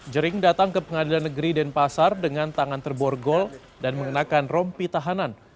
jering datang ke pengadilan negeri denpasar dengan tangan terborgol dan mengenakan rompi tahanan